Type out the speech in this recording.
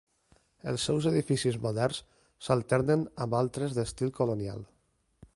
Els seus edificis moderns s'alternen amb altres d'estil colonial.